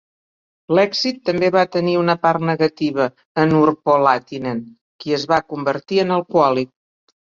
L'èxit també va tenir una part negativa en Urpo Lahtinen, qui es va convertir en alcohòlic.